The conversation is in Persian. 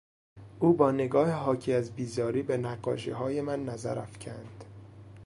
او با نگاه حاکی از بیزاری به نقاشیهای من نظر افکند.